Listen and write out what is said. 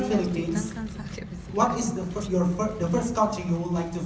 เพราะว่าก็ได้รู้จักกับ